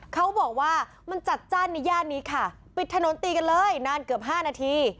เขาบอกว่ามันจัดจ้านในย่านนี้ค่ะปิดถนนตีกันเลยนานเกือบ๕นาที